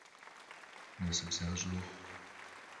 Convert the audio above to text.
Насып защӏэ ухъу!